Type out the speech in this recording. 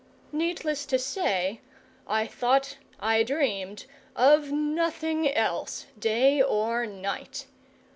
Needless to say, I thought, I dreamed of nothing else, day or night.